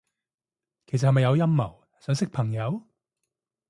其實係咪有陰謀，想識朋友？